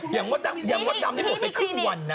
จัดเต็มอย่างมดดำนี่บอกไปครึ่งวันนะ